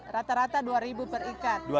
rata rata rp dua per ikat